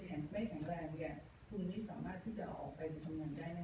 ถ้าคุณไม่แข็งแรงคุณไม่สามารถที่จะออกไปทำงานได้หน่อย